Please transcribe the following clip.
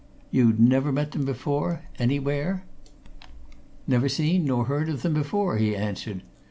"You'd never met them before anywhere?" "Never seen nor heard of them before," he answered.